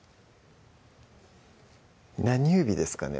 何指ですかね？